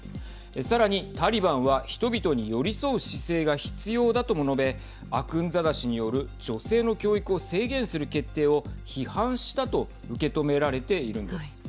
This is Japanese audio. さらにタリバンは人々に寄り添う姿勢が必要だとも述べアクンザダ師による女性の教育を制限する決定を批判したと受け止められているんです。